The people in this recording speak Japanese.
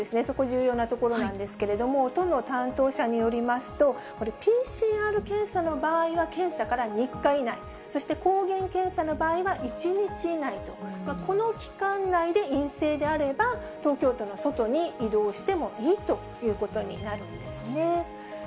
そこ重要なところなんですけれども、都の担当者によりますと、ＰＣＲ検査の場合は検査から３日以内、そして抗原検査の場合は１日以内と、この期間内で陰性であれば、東京都の外に移動してもいいということになるんですね。